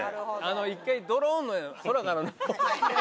１回ドローンの空からの。